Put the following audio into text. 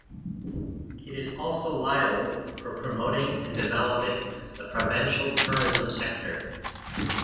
It is also liable for promoting and developing the provincial tourism sector.